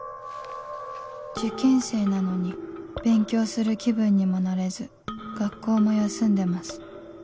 「受験生なのに勉強する気分にもなれず学校も休んでます」